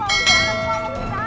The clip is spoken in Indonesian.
aku mau kejalan